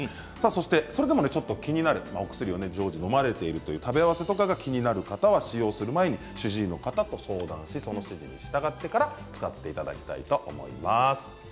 それでも気になるお薬を常時、のまれている食べ合わせなどが気になるという方は食べる前に使用する前に主治医などに相談してその指示に従ってから使っていただきたいと思います。